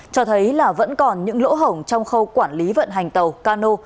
cho thấy là vẫn còn những lỗ hổng trong khâu quản lý vận hành tàu cano